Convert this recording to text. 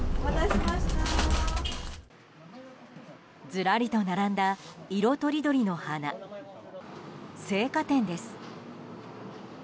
ずらりと並んだ色とりどりの花生花店です。